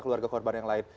keluarga korban yang lain